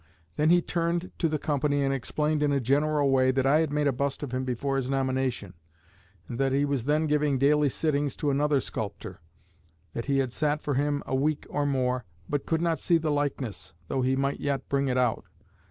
Then he turned to the company and explained in a general way that I had made a bust of him before his nomination, and that he was then giving daily sittings to another sculptor; that he had sat to him for a week or more, but could not see the likeness, though he might yet bring it out.